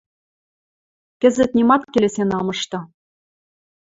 — Кӹзӹт нимат келесен ам мышты...